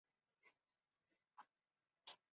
颈部有黑白色的项圈状纹饰。